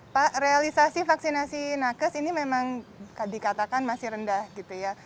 pak realisasi vaksinasi nakes ini memang dikatakan masih rendah gitu ya